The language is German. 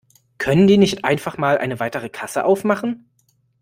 Können die nicht einfach mal eine weitere Kasse aufmachen?